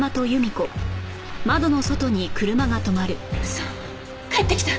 嘘帰ってきた。